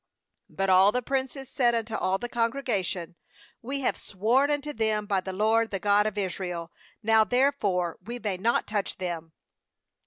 19But all the princes said unto all the congregation: 'We have sworn unto them by the LOED, the God of Israel; now therefore we may not touch them.